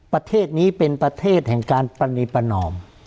ประเทศนี้เป็นประเทศแห่งการปรณีประนอม